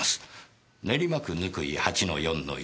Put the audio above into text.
練馬区貫井８の４の１。